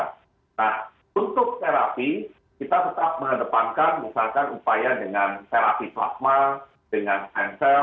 nah untuk terapi kita tetap mengedepankan misalkan upaya dengan terapi plasma dengan cancel